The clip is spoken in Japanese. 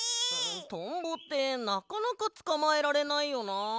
トンボってなかなかつかまえられないよな。